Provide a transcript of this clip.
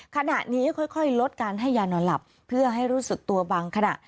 ขณะนี้ค่อยลดการให้ยานอนหลับเพื่อให้รู้สึกตัวบังขณะ